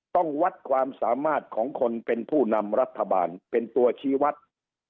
ต้องวัดความสามารถของคนเป็นผู้นำรัฐบาลเป็นตัวชี้วัด